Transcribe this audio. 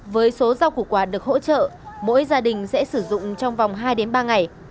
với số rau củ quả được hỗ trợ mỗi gia đình sẽ sử dụng trong vòng hai ba ngày